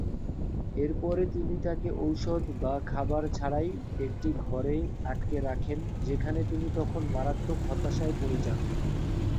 এর পরে, তিনি তাকে ওষুধ বা খাবার ছাড়াই একটি ঘরে আটকে রাখেন, যেখানে তিনি তখন মারাত্মক হতাশায় পড়ে যান।